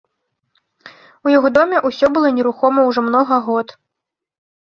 У яго доме ўсё было нерухома ўжо многа год.